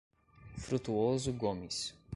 Frutuoso Gomes